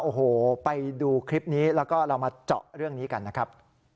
โอ้โหไปดูคลิปนี้แล้วก็เรามาเจาะเรื่องนี้กันนะครับ